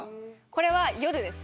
これは夜です。